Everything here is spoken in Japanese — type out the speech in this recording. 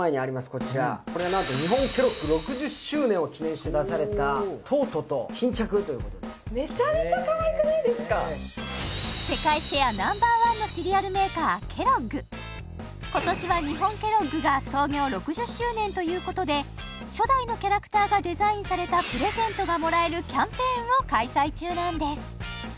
こちらこれは何と日本ケロッグ６０周年を記念して出されたトートと巾着ということでめちゃめちゃかわいくないですか今年は日本ケロッグが創業６０周年ということで初代のキャラクターがデザインされたプレゼントがもらえるキャンペーンを開催中なんです